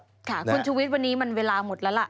ค่ะคุณชุวิตวันนี้มันเวลาหมดแล้วล่ะ